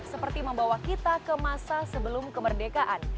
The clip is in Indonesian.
seperti membawa kita ke masa sebelum kemerdekaan